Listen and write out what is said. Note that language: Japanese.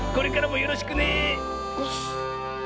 よし。